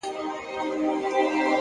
مننه د زړه ښکلا ده!.